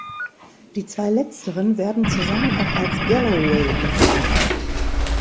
Die zwei letzteren werden zusammen auch als Galloway bezeichnet.